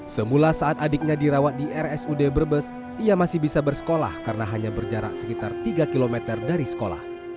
semula saat adiknya dirawat di rsud brebes ia masih bisa bersekolah karena hanya berjarak sekitar tiga km dari sekolah